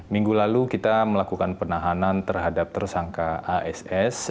minggu lalu kita melakukan penahanan terhadap tersangka ass